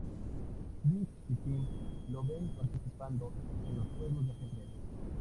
Dick y Tim lo ven participando en juegos de ajedrez.